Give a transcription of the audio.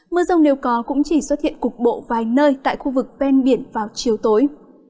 mưa rông nếu có cũng chỉ xuất hiện cục bộ vài nơi tại khu vực ven biển vào chiều tối